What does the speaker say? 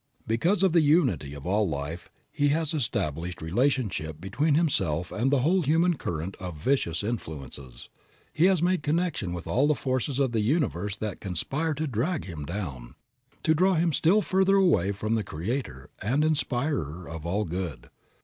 Because of the unity of all life, he has established relationship between himself and the whole human current of vicious influences; he has made connection with all the forces in the universe that conspire to drag him down, to draw him still further away from the Creator and Inspirer of all good.